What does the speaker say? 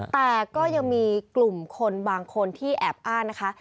แต่ก็ยังมีกลุ่มคนบางคนที่แอบอ้างนะคะ